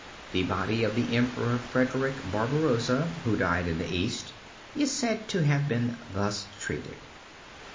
The body of the Emperor Frederick Barbarosa, who died in the East, is said to have been thus treated.